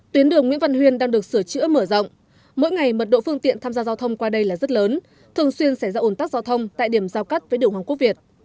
tuyến đường nguyễn văn huyên đang được sửa chữa mở rộng mỗi ngày mật độ phương tiện tham gia giao thông qua đây là rất lớn thường xuyên xảy ra ồn tắc giao thông tại điểm giao cắt với đường hoàng quốc việt